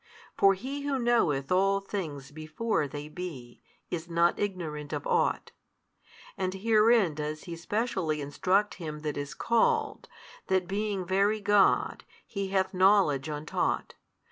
For He Who know eth all things before they be is not ignorant of ought. And herein does He specially instruct him that is called, that being Very God, He hath knowledge untaught.